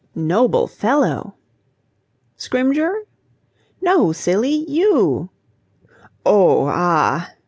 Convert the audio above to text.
"Noble fellow!" "Scrymgeour?" "No, silly! You." "Oh, ah!"